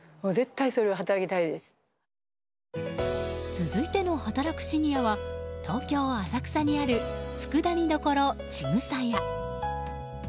続いての働くシニアは東京・浅草にある佃煮処千草屋。